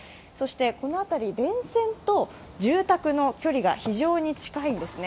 この辺り電線と住宅の距離が非常に近いんですね。